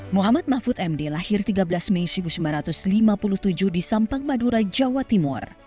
muhammad mahfud md lahir tiga belas mei seribu sembilan ratus lima puluh tujuh di sampang madura jawa timur